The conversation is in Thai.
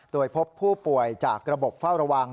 โดยพบผู้ป่วยจากระบบเฝ้าระวัง